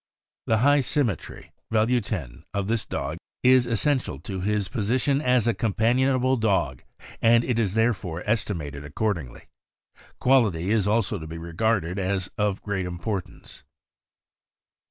The high symmetry (value 10) of this dog is essential to his position as a companionable dog, and it is therefore estimated accordingly. Quality is also to be regarded as of great importance.